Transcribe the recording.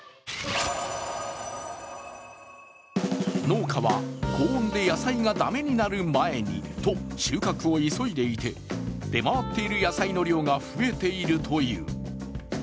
農家は高温で野菜がだめになる前と収穫を急いでいて、出回っている野菜の量が増えているという。